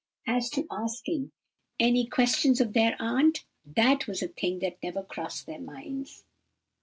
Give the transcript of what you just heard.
As to asking any questions of their aunt, that was a thing that never crossed their minds.